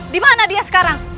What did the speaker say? dimana dia sekarang